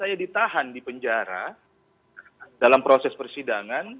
saya ditahan di penjara dalam proses persidangan